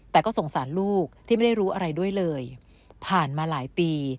แต่ก็สงสารลูกที่ไม่ได้รู้อะไรด้วยเลยผ่านมาหลายปี